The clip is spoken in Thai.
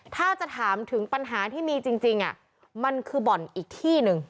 ถ้าจะถามถึงปัญหาที่มีจริงมันคือบ่อนอีกที่หนึ่ง